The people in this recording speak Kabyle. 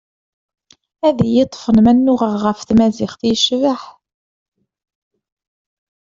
Ad iyi-ṭfen ma nnuɣeɣ ɣef tmaziɣt yecbeḥ.